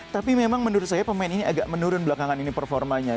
tapi memang menurut saya pemain ini agak menurun belakangan ini performanya